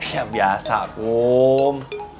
ya biasa kum